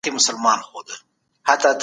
سالم ذهن به ستاسو ژوند ته خوشحالي راولي.